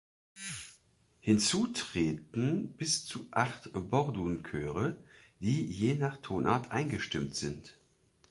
Hinzu treten bis zu acht Bordun-Chöre, die je nach Tonart einzustimmen sind.